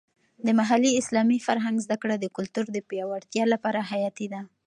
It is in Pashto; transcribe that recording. د محلي اسلامي فرهنګ زده کړه د کلتور د پیاوړتیا لپاره حیاتي ده.